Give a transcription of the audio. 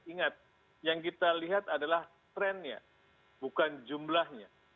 ingat yang kita lihat adalah trennya bukan jumlahnya